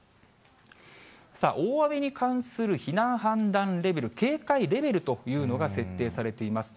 大雨に関する避難氾濫レベル、警戒レベルというのが設定されています。